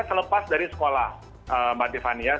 selepas dari sekolah mbak tiffany ya